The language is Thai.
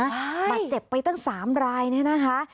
บาดเจ็บไปตั้ง๓รายเนี่ยนะคะ